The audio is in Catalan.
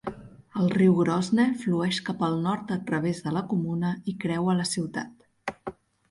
El riu Grosne flueix cap al nord a través de la comuna i creua la ciutat.